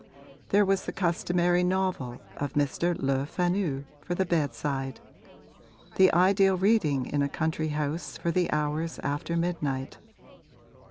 There was the customary novel of Mr. Le Fanu, for the bedside; the ideal reading in a country house for the hours after midnight.